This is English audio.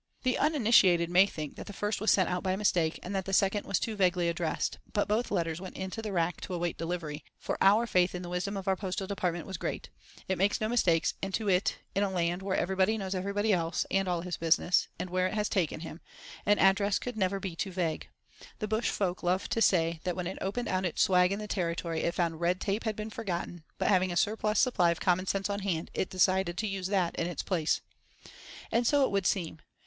The uninitiated may think that the first was sent out by mistake and that the second was too vaguely addressed; but both letters went into the rack to await delivery, for our faith in the wisdom of our Postal Department was great; it makes no mistakes, and to it—in a land where everybody knows everybody else, and all his business, and where it has taken him—an address could never be too vague. The bush folk love to say that when it opened out its swag in the Territory it found red tape had been forgotten, but having a surplus supply of common sense on hand, it decided to use that in its place. And so it would seem.